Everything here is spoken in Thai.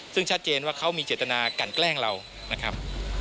ซึ่งชัดเจนว่าเขามีเจตนากันแกล้งเรานะครับ